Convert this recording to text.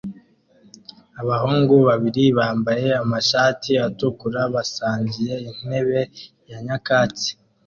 Abahungu babiri bambaye amashati atukura basangiye intebe ya nyakatsi